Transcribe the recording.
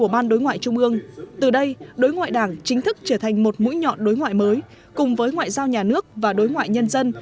ban đối ngoại trung ương từ đây đối ngoại đảng chính thức trở thành một mũi nhọn đối ngoại mới cùng với ngoại giao nhà nước và đối ngoại nhân dân